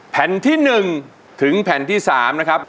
แผ่นที่๑ถึงแผ่นที่๓นะครับ